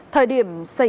thời điểm xảy ra